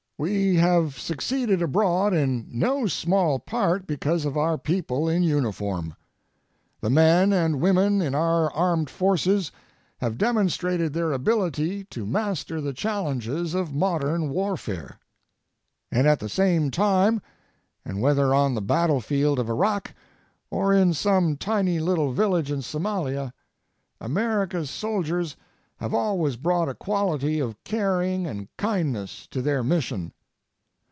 We have succeeded abroad in no small part because of our people in uniform. The men and women in our Armed Forces have demonstrated their ability to master the challenges of modern warfare. And at the same time, and whether on the battlefield of Iraq or in some tiny little village in Somalia, America's soldiers have always brought a quality of caring and kindness to their mission.